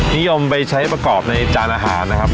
นิยมไปใช้ประกอบในจานอาหารนะครับ